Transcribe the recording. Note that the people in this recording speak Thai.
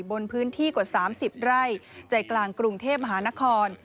บนพื้นที่กว่า๓๐ไร่ใจกลางกรุงเทพมหานคร